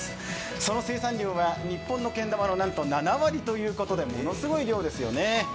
その生産量は日本のけん玉のなんと７割ということで、ものすごい量ですよね。